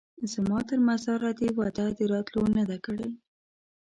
زما تر مزاره دي وعده د راتلو نه ده کړې